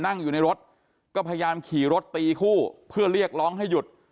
นั่งอยู่ในรถก็พยายามขี่รถตีคู่เพื่อเรียกร้องให้หยุด